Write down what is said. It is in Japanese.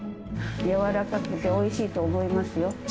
やわらかくておいしいと思いますよ。